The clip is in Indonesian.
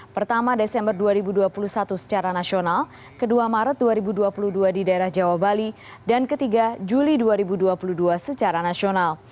pertama desember dua ribu dua puluh satu secara nasional kedua maret dua ribu dua puluh dua di daerah jawa bali dan ketiga juli dua ribu dua puluh dua secara nasional